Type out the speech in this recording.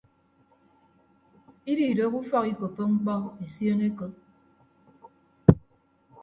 Ididooho ufọk ikoppo mkpọ esion ekop.